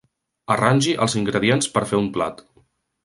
Arrangi els ingredients per fer un plat.